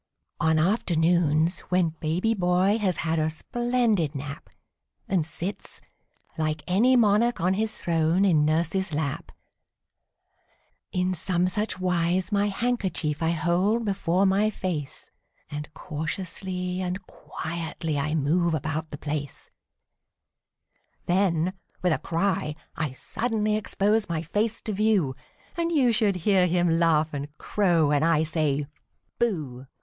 On afternoons, when baby boy has had a splendid nap, And sits, like any monarch on his throne, in nurse's lap, In some such wise my handkerchief I hold before my face, And cautiously and quietly I move about the place; Then, with a cry, I suddenly expose my face to view, And you should hear him laugh and crow when I say "Booh"!